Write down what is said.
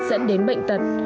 dẫn đến bệnh tật